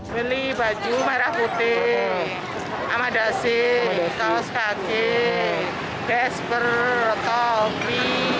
beli baju merah putih amadasi kaos kaki desper topi